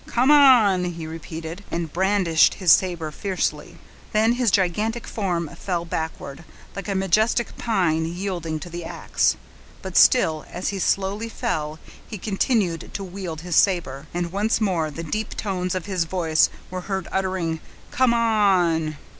"Come on!" he repeated, and brandished his saber fiercely. Then his gigantic form fell backward, like a majestic pine yielding to the ax; but still, as he slowly fell, he continued to wield his saber, and once more the deep tones of his voice were heard uttering, "Come on!"